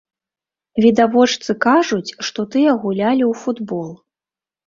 Відавочцы кажуць, што тыя гулялі ў футбол.